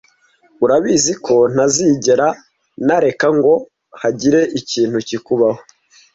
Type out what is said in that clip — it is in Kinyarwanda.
Urabizi ko ntazigera nareka ngo hagire ikintu kikubaho.